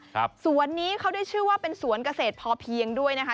สวนนี้เขาได้ชื่อว่าเป็นสวนเกษตรพอเพียงด้วยนะคะ